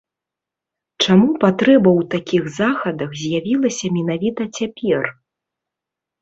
Чаму патрэба ў такіх захадах з'явілася менавіта цяпер?